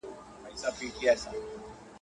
یو په یو به نیسي ګرېوانونه د قاتل قصاب!